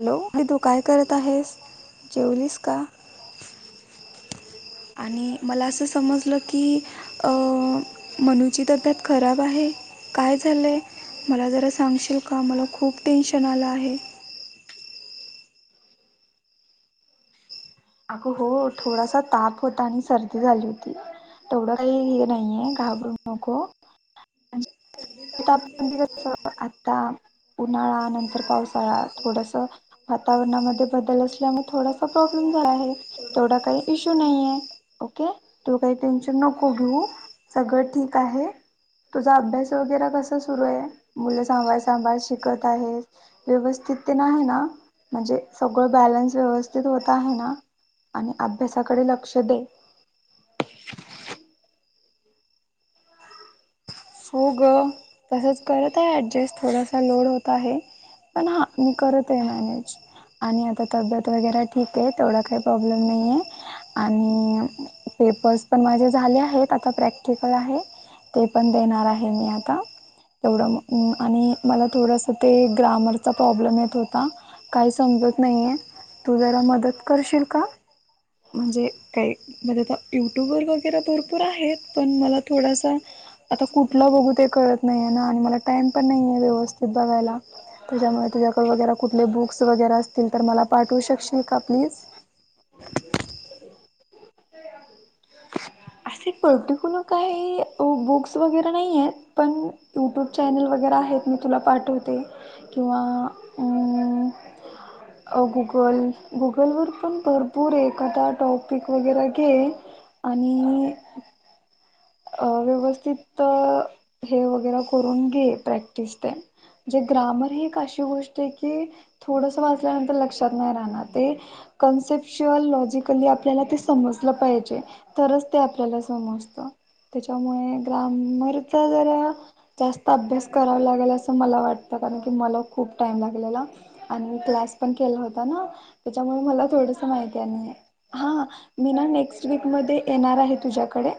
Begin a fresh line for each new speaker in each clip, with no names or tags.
Hello, आणि तू काय करत आहेस? जेवलीस का?
[unintelligible]
आणि मला असं समजलं की, अं मनु ची तब्येत खराब आहे, काय झालंय? मला जरा सांगशील का? मला खूप टेन्शन आलं आहे.
अगं हो थोडासा ताप होता, आणि सर्दी झाली होती. तेवढं काही हे नाहीये, घाबरू नको. ताप थंडी कसं, आता उन्हाळा नंतर पावसाळा थोडस वातावरणामध्ये बदल असल्यामुळे, थोडासा प्रॉब्लेम झाला आहे. तेवढा काही इश्यू नाहीये, ओके, तू काही टेशन नको घेऊ, सगळं ठीक आहे, तुझा अभ्यास वगैरा कसं सुरु आहे, मुलं सांभाळत सांभाळत शिकत आहे, व्यवस्थित तेण आहे ना, म्हणजे सगळं बॅलन्स व्यवस्थित होत आहे ना. आणि अभ्यासाकडे लक्ष दे.
हो ग, तसंच करत आहे ॲडजस्ट, थोडासा लोड होत आहे. पण हा मी करते मॅनेज. आणि आता तब्येत वगैरे ठीके, तेवढा काही प्रॉब्लेम नाहीये, आणि पेपर्स पण माझे झाले आहेत, आता प्रॅक्टिकल आहे, ते पण देणार आहे. मी आता. तेवढं, मंम आणि मला थोडंसं ते ग्रामरचा प्रॉब्लेम येत होता. काही समजत नाहीये, तू जरा मदत करशील का? म्हणजे काही, म्हणजे युट्यूब वर वगैरे भरपूर आहेत, पण मला थोडासा, आता कुठ ठल बघू ते कळत नाहीे ना, आणि मला टाइम पण नाहीये, व्यवस्थित बघायला. त्याच्यामुळे तुझ्याकडे वगैरा, कुठले बुक्स वगैरे असतील तर, मला पाठवू शकशील का प्लीज.
असे पलटी क्लियर काही बुक्स वगैरे नाहीयेत. पण युट्यूब चॅनेल वगैरे आहेत, मी तुला पाठवते. किंवा, अ अ गुगल, गुगल वर पण भरपूर आहे एखादा टॉपिक वगैरे घे. आणि. अ व्यवस्थित हे वगैरे करून घे प्रॅक्टिस तेण. म्हणजे ग्रामर हि एक अशी गोष्ट आहे की. थोडंसं वाचल्यानंतर लक्षात नाही राहणार ते कन्सेप्ट शिवाय लॉजिकली आपल्याला ते समजलं पाहिजे. तरच ते आपल्याला समजत. त्याच्यामुळे ग्राममरचा जरा जास्त अभ्यास करावा लागेल असं मला वाटतं, कारण की मला खूप टाईम लागलेला, आणि मी क्लास पण केला होता ना, त्याच्यामुळे मला थोडस माहिती आणि हा मी ना नेक्स्ट वीक मध्ये येणार आहे तुझ्याकडे.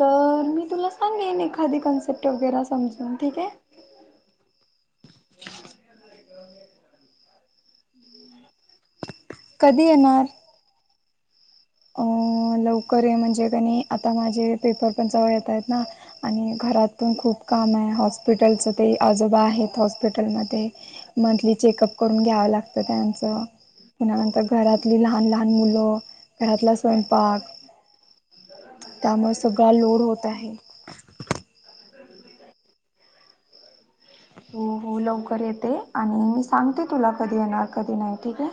तर मी तुला सांगेन एखादी कॉन्सेप्ट वगैरे समजून ठीक आहे.
कधी येणार? अ लवकर ये म्हणजे कनी आता माझे पेपर पण जवळ येत आहेत ना. आणि घरात पण खूप काम आहे हॉस्पिटलच ते आजोबा आहेत हॉस्पिटलमध्ये. मंथली चेकअप करून घ्यावं लागतं त्यांच. पुन्हा नंतर घरातली लहान लहान मुलं घरातला स्वयंपा पाक, त्यामुळे सगळा लोड होत आहे.
हो, हो लवकर येते आणि मी सांगते तुला कधी येणार कधी नाही ठीक आहे.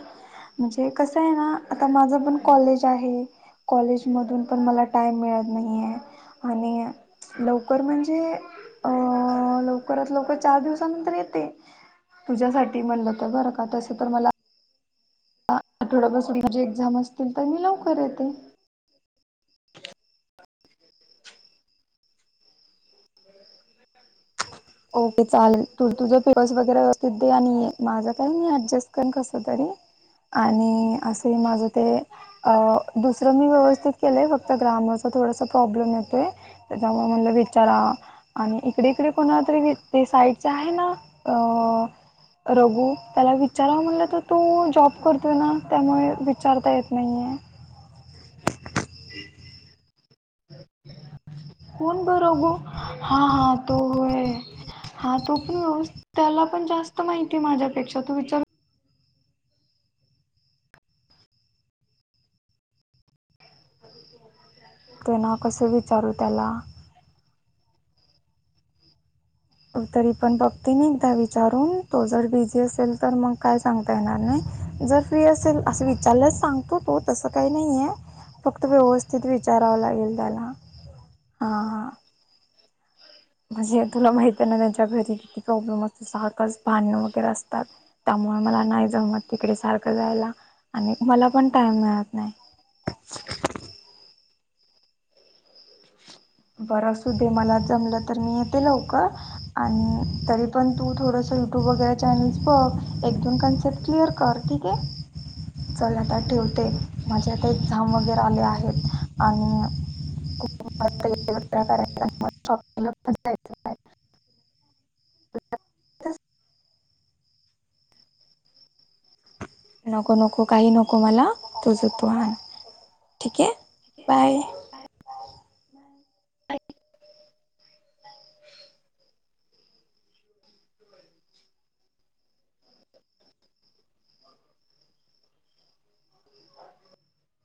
म्हणजे कसं आहे ना आता माझं पण कॉलेज आहे. कॉलेजमधून पण मला टाईम मिळत नाही आहेे आणि लवकर म्हणजे अ लवकरात लवकर चार दिवसानंतर येते तुझ्यासाठी म्हणलं तर बरं का तसं तर मला. आठवड्यापासून जी एक्झाम असतील तर मी लवकर येते.
ओके चालेलं, तू तुझ प पर्स वगैरे व्यव दिदी आणि माझं काय मी अऍडजस्ट करन कस तरी. आणि अस हि माझं ते. अ दुसरं मी व्यवस्थित केलंय फक्त ग्रामरचा थोडासा प्रॉब्लेम येतोय. तव मला विचारा, आणि इकडे इकडे कोणा ते साईडच आहे ना अ. रघु त्याला विचारावं म्हटलं तर तू जॉब करतोय ना त्यामुळे विचारता येत नाहीये.
कोण बर गो, हा, हा तो होय. हा तो पण व्यव, त्याला पण जास्त माहिती माझ्यापेक्षा तु विचारु [inaudible]
ते ना कसं विचारू त्याला? तरी पण बघते मी एकदा विचारून तो जर बिझी असेल तर मग काय सांगता येणार नाही, जर प्रय असेल असं विचारल्याच सांगतो तो तसं काही नाही आहे. फक्त व्यवस्थित विचारावं लागेल त्याला हा, हा. म्हणजे तुला माहित आहे ना त्यांच्या घरी किती प्रॉब्लेम असते सारकास भांण वगैरे असतात. त्यामुळे मला नाही जमतं तिकडे सारखं जायला, आणि मला पण टाईम मिळत नाही.
बरं आसूदे मला जमलं तर मी येते लवकर, आणि तरी पण तू थोडस युट्यूब वगैरे चॅनेल्स बघ एक दोन कन्सेप्ट क्लिअर कर ठीक आहे. चल आता ठेवते माझे आता एक्झाम वगैरे आले आहेत, आणि [unintelligible] [unintelligible]
नको, नको काही नको मला तुझं तू आण, ठीक आहे बाय.